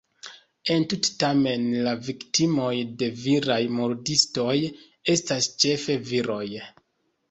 Entute tamen la viktimoj de viraj murdistoj estas ĉefe viroj.